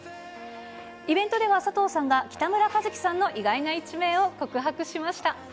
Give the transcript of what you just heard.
イベントでは佐藤さんが、北村一輝さんの意外な一面を告白しました。